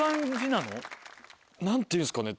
何ていうんですかね。